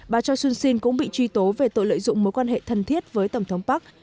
bà choi soon sin cũng bị truy tố về tội lợi dụng mối quan hệ thân thiết với tổng thống park